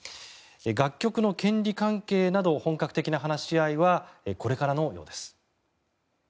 楽曲の権利関係など本格的な話し合いはこれからのようです。